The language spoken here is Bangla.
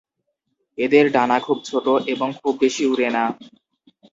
এদের ডানা খুব ছোট এবং খুব বেশি উড়ে না।